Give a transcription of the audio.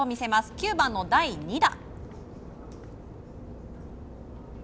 ９番の第２打。